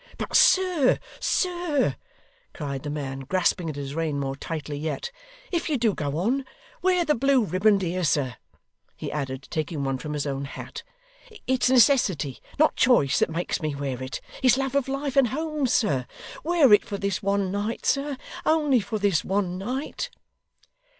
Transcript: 'But sir sir,' cried the man, grasping at his rein more tightly yet, 'if you do go on, wear the blue riband. Here, sir,' he added, taking one from his own hat, 'it's necessity, not choice, that makes me wear it; it's love of life and home, sir. Wear it for this one night, sir; only for this one night.